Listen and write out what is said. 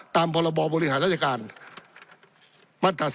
ตามพรบบริหารราชการมาตรา๔